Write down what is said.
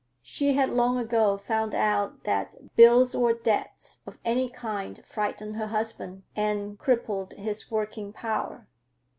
She had long ago found out that bills or debts of any kind frightened her husband and crippled his working power.